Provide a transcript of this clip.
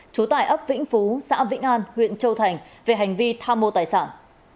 thú xã vĩnh an huyện châu thành về hành vi tham mô tài sản